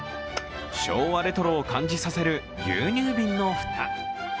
昭和レトロを感じさせる牛乳瓶の蓋。